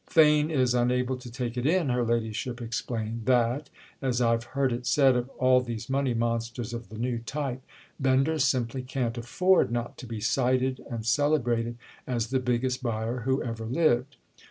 "Theign is unable to take it in," her ladyship explained, "that—as I've heard it said of all these money monsters of the new type—Bender simply can't afford not to be cited and celebrated as the biggest buyer who ever lived."